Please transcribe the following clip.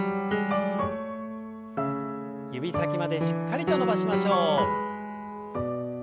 指先までしっかりと伸ばしましょう。